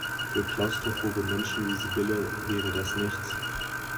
Für klaustrophobe Menschen wie Sibylle wäre das nichts.